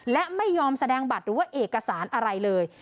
และไม่ยอมแสดงบัตรหรือว่าเอกสารอะไรเลย